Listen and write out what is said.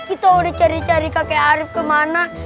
itu udah cari cari kakek arief kemana